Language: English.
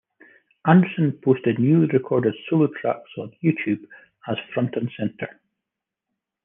Anderson posted newly recorded solo tracks on YouTube as Front and Centre.